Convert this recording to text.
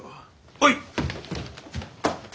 はい！